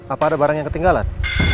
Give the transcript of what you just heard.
apa ada barang yang ketinggalan